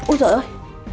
ôi trời ơi